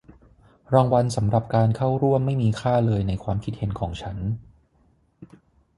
รางวัลสำหรับการเข้าร่วมไม่มีค่าเลยในความคิดเห็นของฉัน